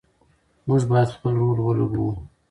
موږ باید خپل رول ولوبوو.